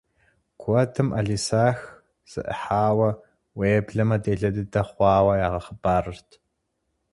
Куэдым ӏэлисахь зэӏыхьауэ, уеблэмэ делэ дыдэ хъуауэ ягъэхъыбарырт.